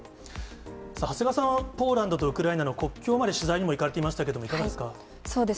さあ、長谷川さん、ポーランドとウクライナの国境まで取材にも行かれていましたけど、いかがです